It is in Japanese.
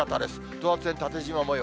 等圧線、縦じま模様。